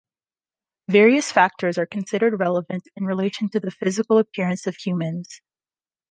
Various factors are considered relevant in relation to the physical appearance of humans.